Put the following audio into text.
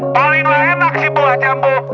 palinglah enak sih buah jambu